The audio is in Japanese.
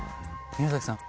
宮崎さん